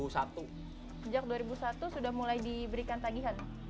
sejak dua ribu satu sudah mulai diberikan tagihan